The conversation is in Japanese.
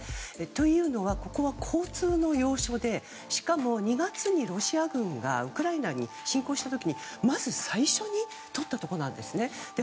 というのはここは交通の要所でしかも、２月にロシア軍がウクライナに侵攻した時にまず最初にとったところなんですね。